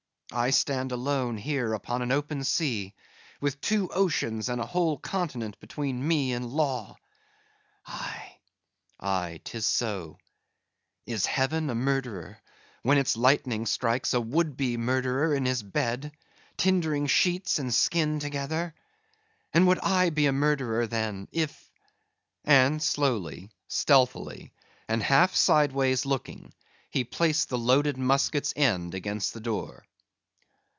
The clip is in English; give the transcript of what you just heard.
I stand alone here upon an open sea, with two oceans and a whole continent between me and law.—Aye, aye, 'tis so.—Is heaven a murderer when its lightning strikes a would be murderer in his bed, tindering sheets and skin together?—And would I be a murderer, then, if"—and slowly, stealthily, and half sideways looking, he placed the loaded musket's end against the door.